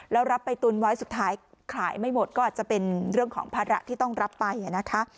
แล้วรับไปตุนไว้สุดท้ายขายไม่หมดก็อาจจะเป็นเรื่องของภาระที่ต้องรับไปนะคะ